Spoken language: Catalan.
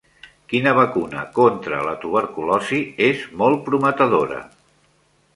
Quina vacuna contra la tuberculosi és molt prometedora?